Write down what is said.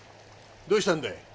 どうしたんだい？